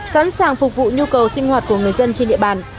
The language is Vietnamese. sẵn sàng phục vụ nhu cầu sinh hoạt của người dân trên địa bàn